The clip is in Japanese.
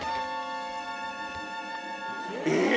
え！